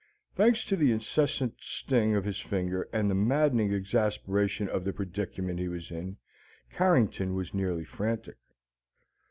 Thanks to the incessant sting of his finger and the maddening exasperation of the predicament he was in, Carrington was nearly frantic.